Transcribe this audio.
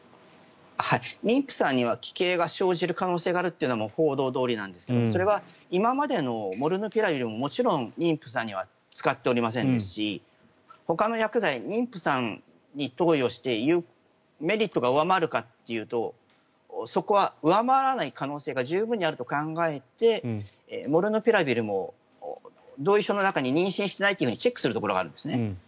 妊婦さんには奇形が生じる可能性があるというのは報道どおりなんですがそれは今までのモルヌピラビルももちろん妊婦さんには使っておりませんしほかの薬剤妊婦さんに投与してメリットが上回るかというとそこは上回らない可能性が十分にあると考えてモルヌピラビルも同意書の中に妊娠していないとチェックするところがあるんです。